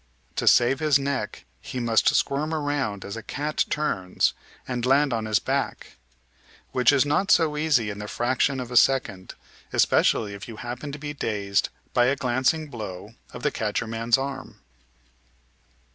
To save his neck he must squirm around, as a cat turns, and land on his back; which is not so easy in the fraction of a second, especially if you happen to be dazed by a glancing blow of the catcher man's arm.